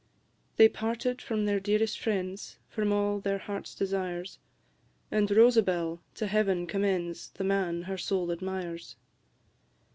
They parted from their dearest friends, From all their heart desires; And Rosabel to Heaven commends The man her soul admires!